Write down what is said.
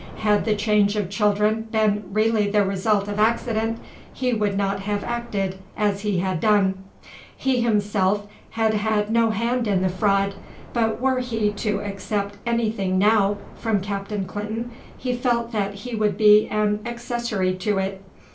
Had the change of children been really the result of accident, he would not have acted as he had done. He himself had had no hand in the fraud, but were he to accept anything now from Captain Clinton he felt that he would be an accessary to it.